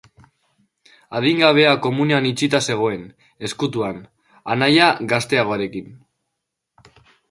Adingabea komunean itxita zegoen, ezkutuan, anaia gazteagoarekin.